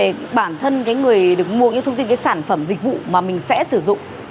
thông tin về bản thân người được mua những thông tin sản phẩm dịch vụ mà mình sẽ sử dụng